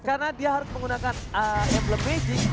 karena dia harus menggunakan emblem magic